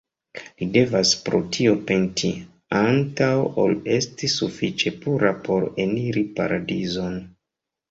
Li devas pro tio penti, antaŭ ol esti sufiĉe pura por eniri Paradizon.